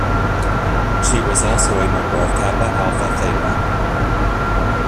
She was also a member of Kappa Alpha Theta.